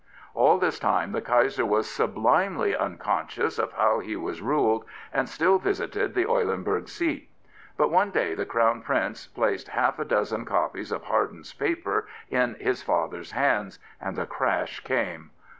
All this time the Kaiser was sublimely unconscious of how he was ruled, and still visited the Eulenburg seat. But one day the Crown Prince placed half a dozen copies of Harden's paper in his father's hands, and the crash came.